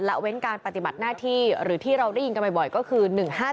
เว้นการปฏิบัติหน้าที่หรือที่เราได้ยินกันบ่อยก็คือ๑๕๗